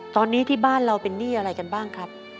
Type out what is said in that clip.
ตอนนี้ที่บ้านเราเป็นหนี้อะไรกันบ้างครับ